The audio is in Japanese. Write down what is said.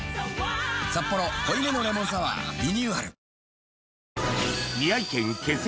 「サッポロ濃いめのレモンサワー」リニューアル